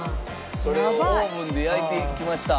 それをオーブンで焼いていきました。